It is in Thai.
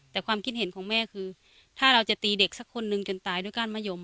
แต่ความคิดเห็นของแม่คือถ้าเราจะตีเด็กสักคนนึงจนตายด้วยก้านมะยม